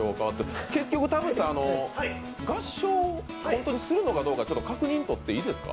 結局、田渕さん、合唱、ホントにするのかどうか確認していいですか？